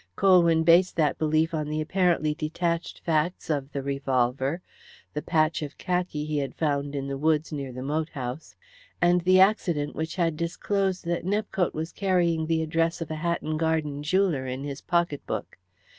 Colwyn based that belief on the apparently detached facts of the revolver, the patch of khaki he had found in the woods near the moat house, and the accident which disclosed that Nepcote was carrying the address of a Hatton Garden jeweller in his pocket book.